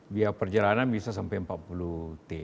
biaya perjalanan bisa sampai empat puluh t